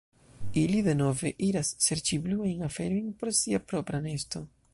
Ili denove iras serĉi bluajn aferojn por sia propra nesto.